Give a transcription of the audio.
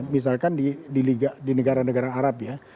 misalkan di negara negara arab ya